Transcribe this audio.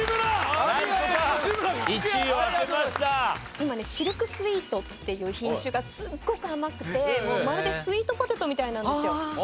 今ねシルクスイートっていう品種がすっごく甘くてまるでスイートポテトみたいなんですよ。